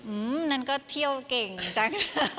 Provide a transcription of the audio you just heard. อืมนั่นก็เที่ยวเก่งจัง